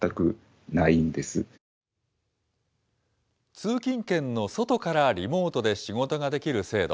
通勤圏の外からリモートで仕事ができる制度。